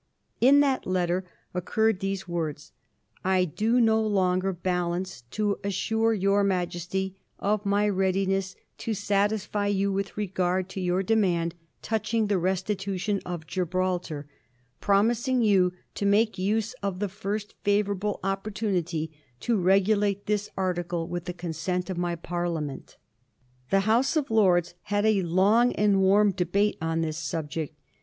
In that letter occurred these words :* I do no longer balance to assure your Majesty of my readiness to satisfy you with regard to your demand touching the restitution of Gibraltar ; promising you to make use of the first fiivourable opportunity to regulate this article with the consent of my Parliament.' The House of Lords had a long and warm debate on this subject.